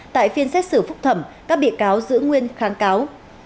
tại phiên xét xử phúc thẩm các bị cáo giữ nguyên kháng cáo